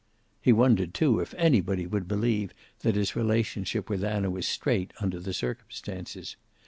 He wondered, too, if anybody would believe that his relationship with Anna was straight, under the circumstances.